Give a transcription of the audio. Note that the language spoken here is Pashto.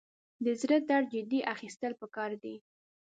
د زړه درد جدي اخیستل پکار دي.